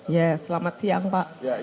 ya selamat siang pak